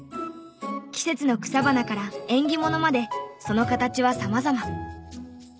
季節の草花から縁起物までその形は様々。